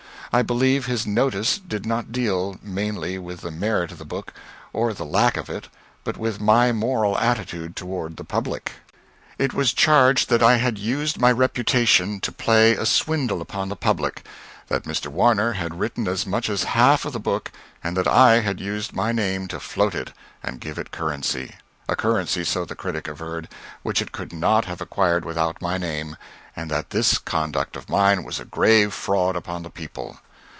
I believe his notice did not deal mainly with the merit of the book, or the lack of it, but with my moral attitude toward the public. It was charged that I had used my reputation to play a swindle upon the public; that Mr. Warner had written as much as half of the book, and that I had used my name to float it and give it currency; a currency so the critic averred which it could not have acquired without my name, and that this conduct of mine was a grave fraud upon the people.